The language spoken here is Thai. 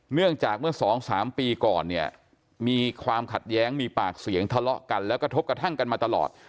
เนื่องจากเมื่อสองสามปีก่อนเนี่ยมีความขัดแย้งมีปากเสียงทะเลาะกันแล้วกระทบกระทั่งกันมาตลอด